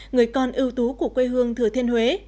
người con ưu tú của quê hương thừa thiên huế